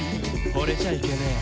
「ほれちゃいけねえ」